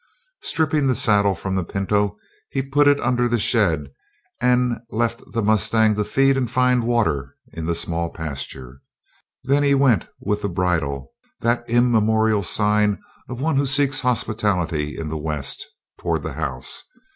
Stripping the saddle from the pinto, he put it under the shed and left the mustang to feed and find water in the small pasture. Then he went with the bridle, that immemorial sign of one who seeks hospitality in the West, toward the house.